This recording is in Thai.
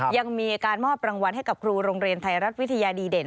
ยังมีการมอบรางวัลให้กับครูโรงเรียนไทยรัฐวิทยาดีเด่น